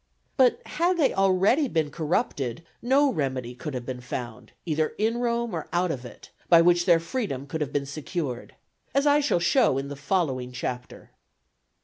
But had they already become corrupted, no remedy could have been found, either in Rome or out of it, by which their freedom could have been secured; as I shall show in the following Chapter.